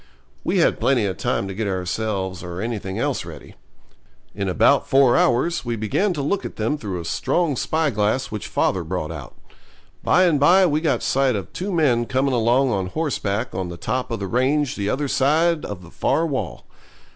We had plenty of time to get ourselves or anything else ready. In about four hours we began to look at them through a strong spyglass which father brought out. By and by we got sight of two men coming along on horseback on the top of the range the other side of the far wall.